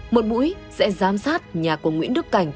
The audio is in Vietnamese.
một mũi sẽ giám sát nhà của nguyễn đức cảnh